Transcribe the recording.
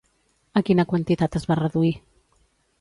A quina quantitat es va reduir?